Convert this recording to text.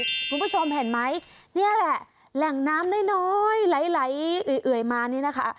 คุณผู้ชมเห็นไหมนี่แหละแหล่งน้ำน้อยไหลเอื่อยมานี่นะคะ